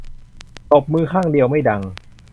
ตบมือข้างเดียวไม่ดัง